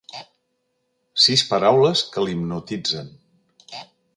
Sis paraules que l'hipnotitzen.